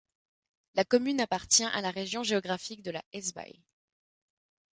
La commune appartient à la région géographique de la Hesbaye.